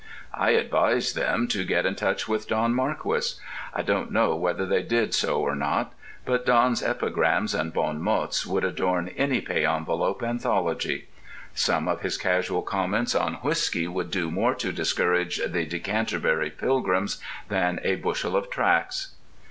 I advised them to get in touch with Don Marquis. I don't know whether they did so or not; but Don's epigrams and bon mots would adorn any pay envelope anthology. Some of his casual comments on whiskey would do more to discourage the decanterbury pilgrims than a bushel of tracts.